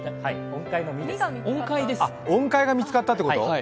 音階が見つかったってこと？